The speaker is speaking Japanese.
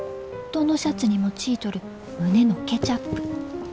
どのシャツにもちいとる胸のケチャップ。